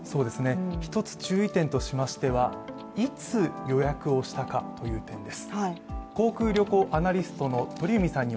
一つ注意点としましてはいつ予約をしたかという点です。